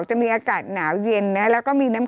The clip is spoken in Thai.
จำกัดจำนวนได้ไม่เกิน๕๐๐คนนะคะ